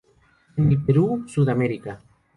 En el Perú, Sudamerica.